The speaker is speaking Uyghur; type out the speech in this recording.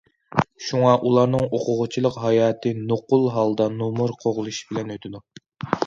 شۇڭا ئۇلارنىڭ ئوقۇغۇچىلىق ھاياتى نوقۇل ھالدا نومۇر قوغلىشىش بىلەن ئۆتىدۇ.